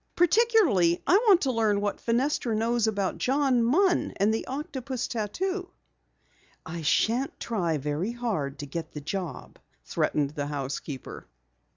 Particularly I want to learn what Fenestra knows about John Munn and the octopus tattoo." "I shan't try very hard to get the job," threatened the housekeeper.